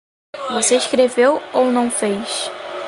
Você escreveu ou não fez?